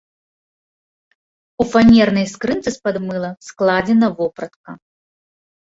У фанернай скрынцы з-пад мыла складзена вопратка.